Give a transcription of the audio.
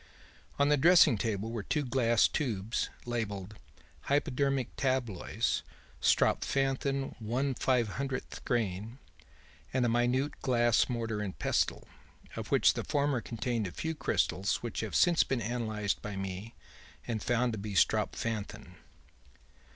"'On the dressing table were two glass tubes labelled "Hypodermic Tabloids: Strophanthin 1/500 grain," and a minute glass mortar and pestle, of which the former contained a few crystals which have since been analysed by me and found to be strophanthin.